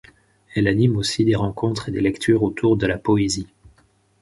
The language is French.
Elle anime aussi des rencontres et des lectures autour de la poésie.